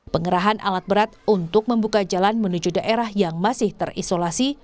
pengerahan alat berat untuk membuka jalan menuju daerah yang masih terisolasi